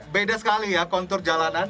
beda sekali ya kontur jalanan